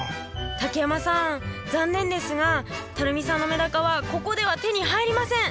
竹山さん残念ですが垂水さんのメダカはここでは手に入りません！